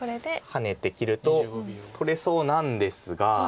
ハネて切ると取れそうなんですが。